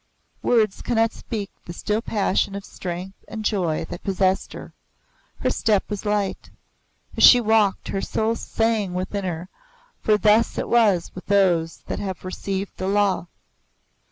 Words cannot speak the still passion of strength and joy that possessed her. Her step was light. As she walked, her soul sang within her, for thus it is with those that have received the Law.